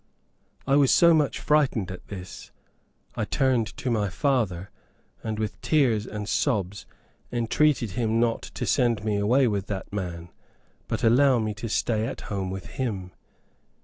I was so much frightened at this, I turned to my father, and with tears and sobs entreated him not to send me away with that man, but allow me to stay at home with him.